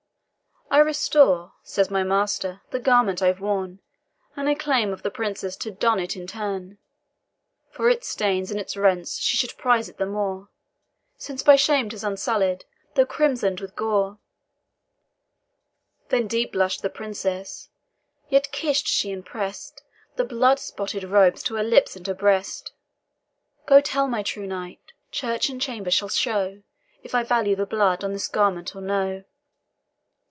"'I restore,' says my master, 'the garment I've worn, And I claim of the Princess to don it in turn; For its stains and its rents she should prize it the more, Since by shame 'tis unsullied, though crimson'd with gore.'" Then deep blush'd the Princess yet kiss'd she and press'd The blood spotted robes to her lips and her breast. "Go tell my true knight, church and chamber shall show If I value the blood on this garment or no."